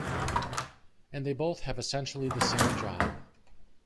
And they both have essentially the same job.